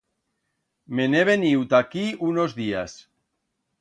Me'n he veniu ta aquí unos días.